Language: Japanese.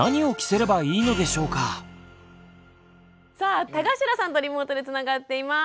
さあ田頭さんとリモートでつながっています。